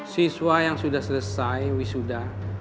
siswa yang sudah selesai wisuda